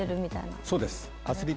そうです。